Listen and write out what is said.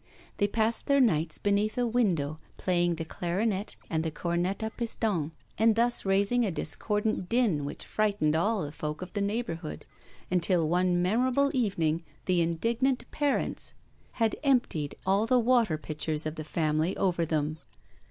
They passed their nights beneath a window playing the clarinet and the cornet à piston, and thus raising a discordant din which frightened all the folk of the neighbourhood, until one memorable evening the indignant parents had emptied all the water pitchers of the family over them.